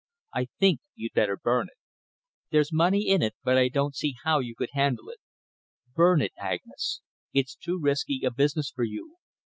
I think you'd better burn it! There's money in it, but I don't see how you could handle it. Burn it, Agnes. It's too risky a business for you!